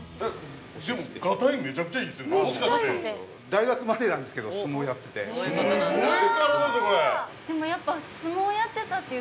◆大学までなんですけど、相撲やってて。